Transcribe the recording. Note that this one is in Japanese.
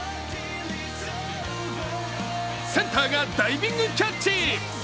センターがダイビングキャッチ。